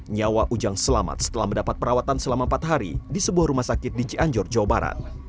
nyawa ujang selamat setelah mendapat perawatan selama empat hari di sebuah rumah sakit di cianjur jawa barat